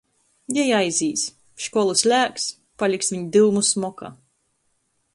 Jei aizīs. Školu slēgs. Paliks viņ dyumu smoka.